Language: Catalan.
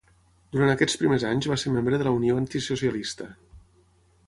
Durant aquests primers anys va ser membre de la Unió Antisocialista.